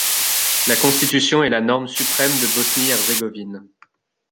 La Constitution est la norme suprême de Bosnie-Herzégovine.